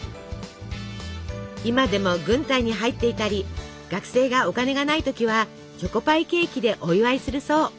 今でも軍隊に入っていたり学生がお金がない時はチョコパイケーキでお祝いするそう。